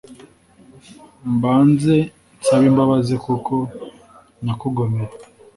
Mbanze nsabe imbabazi, Kuko nakugomeye.